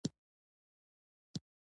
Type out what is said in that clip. پسه د قربانۍ وروسته وېشل کېږي.